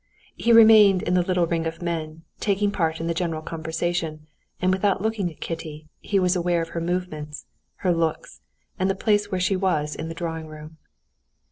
He remained in the little ring of men, taking part in the general conversation, and without looking at Kitty, he was aware of her movements, her looks, and the place where she was in the drawing room.